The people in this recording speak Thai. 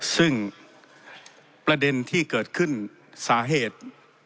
ซึ่งประเด็นที่เกิดขึ้นสาเหตุ